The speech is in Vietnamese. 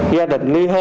gia đình ly hôn